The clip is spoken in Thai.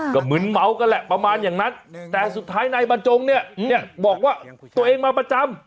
ก็มึนเมากันแหละประมาณอย่างนั้นแต่สุดท้ายนายบรรจงเนี่ยบอกว่าตัวเองมาประจำ